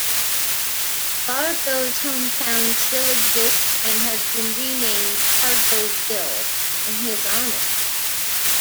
Fargo's hometown still exists and has been renamed Fargoville in his honour.